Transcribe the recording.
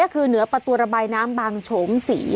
ก็คือเหนือประตูระบายน้ำบางโฉมศรี